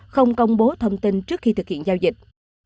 không công bố thông tin trước khi thực hiện giao dịch